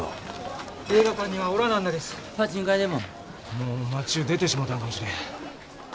もう町ゅう出てしもうたんかもしれん。